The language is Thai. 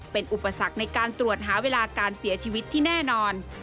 เป็นอุปสรรคในการตรวจหาเวลาการเสียชีวิตที่แน่นอน